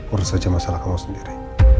urus aja masalah kamu sendiri